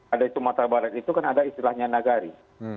ada di sumatera barat itu kan ada istilahnya nagari